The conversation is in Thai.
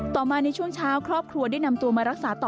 ต่อมาในช่วงเช้าครอบครัวได้นำตัวมารักษาต่อ